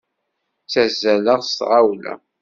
Ttazzaleɣ s tɣawla.